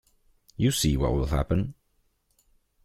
You see what will happen.